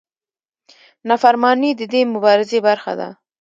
نافرماني د دې مبارزې برخه ده.